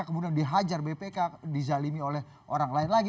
kemudian dihajar bpk dizalimi oleh orang lain lagi